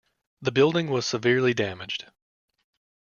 The building was severely damaged.